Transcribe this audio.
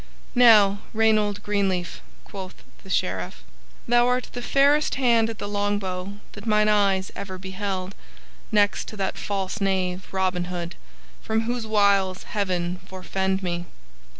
"Now, Reynold Greenleaf," quoth the Sheriff, "thou art the fairest hand at the longbow that mine eyes ever beheld, next to that false knave, Robin Hood, from whose wiles Heaven forfend me!